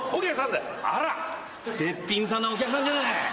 べっぴんさんなお客さんじゃない。